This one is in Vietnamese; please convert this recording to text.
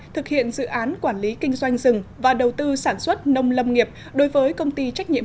thực hiện dự án quản lý kinh doanh rừng và đầu tư sản xuất nông lâm nghiệp đối với công ty trách nhiệm